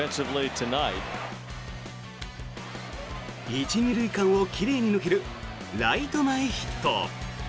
１・２塁間を奇麗に抜けるライト前ヒット。